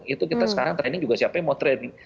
itu kita sekarang training juga siapa yang mau trading